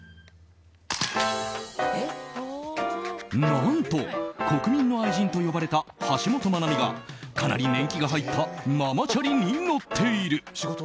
何と、国民の愛人と呼ばれた橋本マナミがかなり年季が入ったママチャリに乗っている。